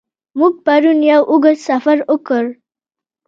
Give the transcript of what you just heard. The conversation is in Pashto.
موږ پرون یو اوږد سفر وکړ.